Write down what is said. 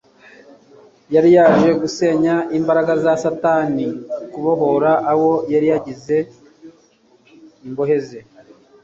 Yari yaje gusenya imbaraga za Satani no kubohora abo yagize imbohe ze.